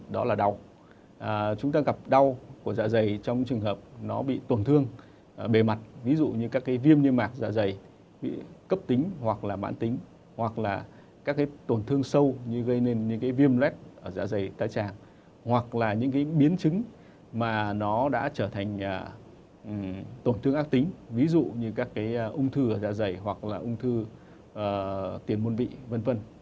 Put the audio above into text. đó là đau chúng ta gặp đau của dạ dày trong trường hợp nó bị tổn thương bề mặt ví dụ như các viêm như mạc dạ dày bị cấp tính hoặc là mãn tính hoặc là các tổn thương sâu như gây nên những viêm lết dạ dày tá tràng hoặc là những biến chứng mà nó đã trở thành tổn thương ác tính ví dụ như các ung thư dạ dày hoặc là ung thư tiền muôn vị v v